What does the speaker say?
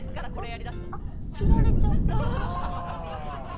切られちゃった。